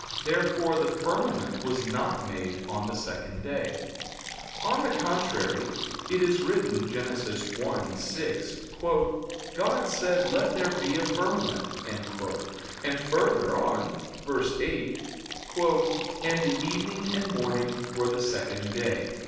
Therefore the firmament was not made on the second day. On the contrary, It is written (Gen. 1:6): "God said: let there be a firmament," and further on (verse 8); "And the evening and morning were the second day."